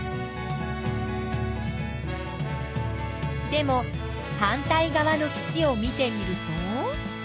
でも反対側の岸を見てみると。